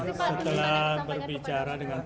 itu saya belum bisa bicara sekarang